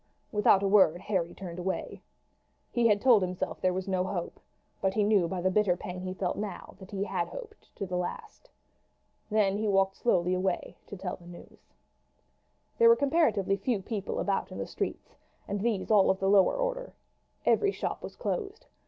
Without a word Harry turned away. He had told himself there was no hope; but he knew by the bitter pang he felt now that he had hoped to the last. Then he walked slowly away to tell the news. There were comparatively few people about the streets, and these all of the lower order. Every shop was closed.